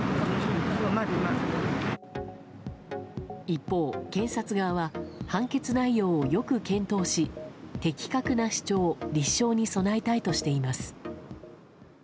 一方、検察側は判決内容をよく検討し的確な主張・立証に備えたいとしています。